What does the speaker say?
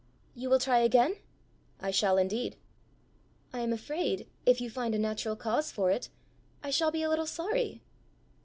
"You will try again?" "I shall indeed." "I am afraid, if you find a natural cause for it, I shall be a little sorry."